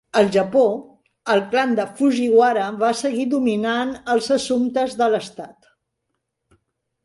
Al Japó, el clan de Fujiwara va seguir dominant els assumptes de l'estat.